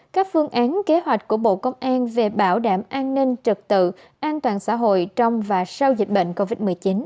các phương án kế hoạch của bộ công an về bảo đảm an ninh trật tự an toàn xã hội trong và sau dịch bệnh covid một mươi chín